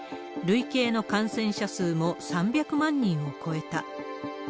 累計の感染者数も３００万人を超えた。